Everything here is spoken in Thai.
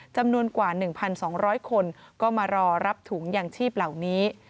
จำนวนกว่า๑๒๐๐คนก็มารอรับถุงยางชีพเหล่านี้